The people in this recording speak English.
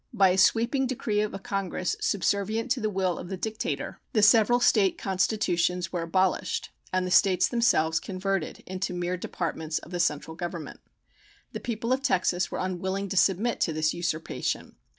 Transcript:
By a sweeping decree of a Congress subservient to the will of the Dictator the several State constitutions were abolished and the States themselves converted into mere departments of the central Government. The people of Texas were unwilling to submit to this usurpation.